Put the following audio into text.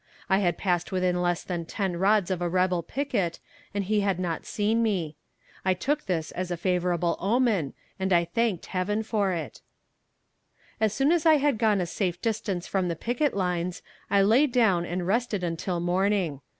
I had passed within less than ten rods of a rebel picket, and he had not seen me. I took this as a favorable omen, and thanked heaven for it. As soon as I had gone a safe distance from the picket lines I lay down and rested until morning.